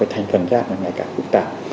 thành phần rác ngày càng phức tạp